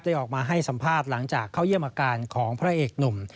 ออกมาให้สัมภาษณ์หลังจากเข้าเยี่ยมอาการของพระเอกหนุ่ม